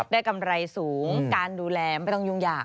กำไรสูงการดูแลไม่ต้องยุ่งยาก